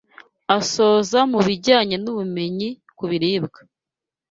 asoza mu bijyanye n’ubumenyi ku biribwa